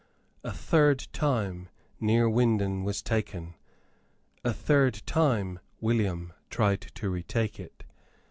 A third time Neerwinden was taken. A third time William tried to retake it.